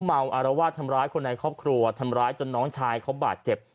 อารวาสทำร้ายคนในครอบครัวทำร้ายจนน้องชายเขาบาดเจ็บ